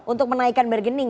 untuk menaikkan bergening